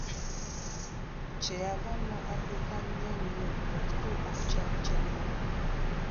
Kye yava nno adduka nnyo nnyo okutuuka ku kyalo kya Nakku.